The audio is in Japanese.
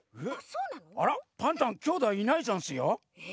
あらっパンタンきょうだいいないざんすよ。